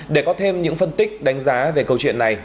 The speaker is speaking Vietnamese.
để có thêm những phân tích đánh giá về câu chuyện này